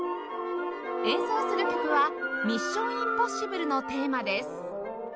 演奏する曲は『ミッション・インポッシブルのテーマ』です